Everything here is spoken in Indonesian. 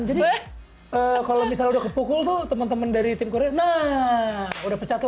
jadi kalau misalnya udah kepukul tuh temen temen dari tim korea nah udah pecat lo